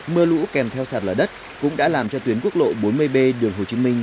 mưa lũ kèm theo sạt lở đất cũng đã làm cho tuyến quốc lộ bốn mươi b đường hồ chí minh